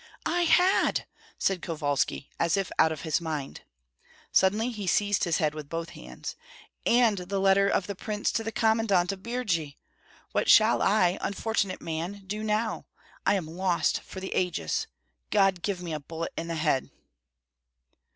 "I had!" said Kovalski, as if out of his mind. Suddenly he seized his head with both hands: "And the letter of the prince to the commandant of Birji! What shall I, unfortunate man, do now? I am lost for the ages! God give me a bullet in the head!"